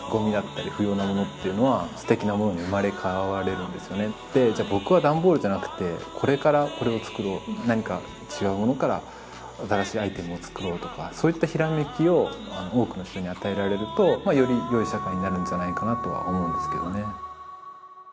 ほんとにでじゃあ僕は段ボールじゃなくてこれからこれを作ろう何か違うものから新しいアイテムを作ろうとかそういったひらめきを多くの人に与えられるとまあよりよい社会になるんじゃないかなとは思うんですけどね。